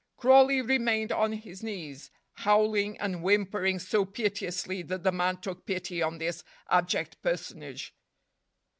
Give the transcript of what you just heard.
Crawley remained on his knees, howling and whimpering so piteously that the man took pity on this abject personage.